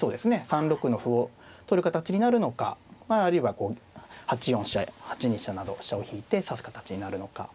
３六の歩を取る形になるのかあるいはこう８四飛車８二飛車など飛車を引いて指す形になるのか。